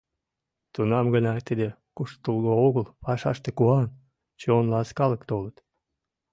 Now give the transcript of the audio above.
Тунам гына тиде куштылго огыл пашаште куан, чон ласкалык толыт.